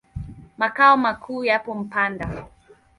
Makao makuu yako Mpanda.